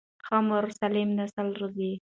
ښه مور سالم نسل روزي.